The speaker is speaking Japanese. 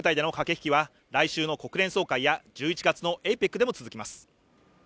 国際舞台での駆け引きは来週の国連総会や１１月のＡＰＥＣでも続きます。